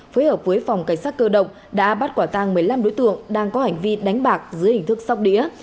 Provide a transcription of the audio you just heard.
phối hợp với phòng cảnh sát cơ động đã bắt quả tăng một mươi năm đối tượng đang có hành vi đánh bạc dưới hình thức sóc đĩa